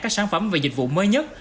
các sản phẩm và dịch vụ mới nhất